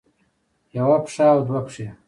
يوه پښه او دوه پښې